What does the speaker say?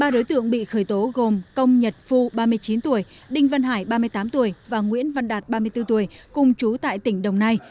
ba đối tượng bị khởi tố gồm công nhật phu ba mươi chín tuổi đinh văn hải ba mươi tám tuổi và nguyễn văn đạt ba mươi bốn tuổi cùng chú tại tỉnh đồng nai